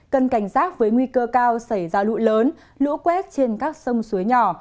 cần cảnh giác với nguy cơ cao xảy ra lụi lớn lũ quét trên các sông suối nhỏ